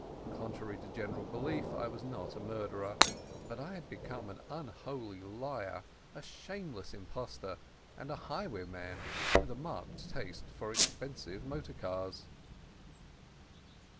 Contrary to general belief, I was not a murderer, but I had become an unholy liar, a shameless impostor, and a highwayman with a marked taste for expensive motor cars.